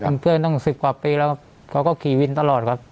เป็นเพื่อนตั้ง๑๐กว่าปีแล้วครับเขาก็ขี่วินตลอดครับ